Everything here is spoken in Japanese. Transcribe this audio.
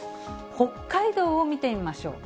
北海道を見てみましょう。